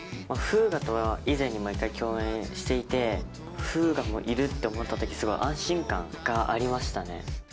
楓雅とは以前にも一回共演していて、楓雅もいると思ったとき、すごい安心感がありましたね。